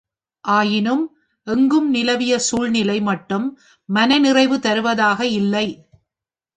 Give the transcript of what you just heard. ஆயினும் எங்கும் நிலவிய சூழ்நிலை மட்டும் மனநிறைவு தருவதாக இல்லை.